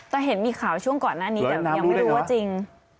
แต่เห็นมีข่าวช่วงก่อนหน้านี้แต่มันยังไม่รู้ว่าจริง